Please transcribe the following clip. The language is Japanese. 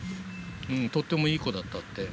とてもいい子だったって。